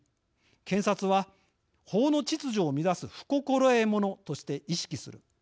検察は法の秩序を乱す不心得者として意識する。